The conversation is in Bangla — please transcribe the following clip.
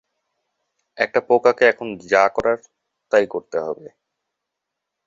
একটা পোকাকে এখন যা করার তাই করতে হবে!